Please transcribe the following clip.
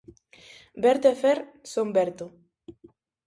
Berto e Fer son "Verto".